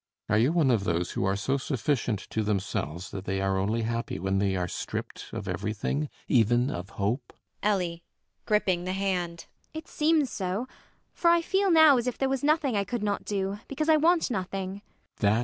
Are you one of those who are so sufficient to themselves that they are only happy when they are stripped of everything, even of hope? ELLIE [gripping the hand]. It seems so; for I feel now as if there was nothing I could not do, because I want nothing. CAPTAIN SHOTOVER.